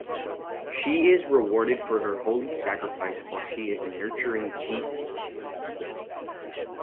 She is rewarded for her holy sacrifice while she is nurturing Jesus.